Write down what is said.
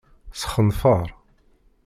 Sxenfeṛ.